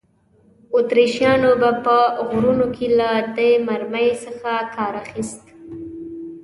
اتریشیانو به په غرونو کې له دې مرمۍ څخه کار اخیست.